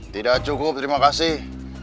tidak cukup terima kasih